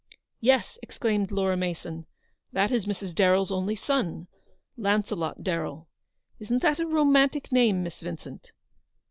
" Yes," exclaimed Laura Mason, "that is Mrs. Darren's only son, Launcelot Darrell. Isn't that a romantic name, Miss Vincent